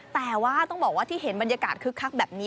แต่ว่าต้องบอกว่าที่เห็นบรรยากาศคึกคักแบบนี้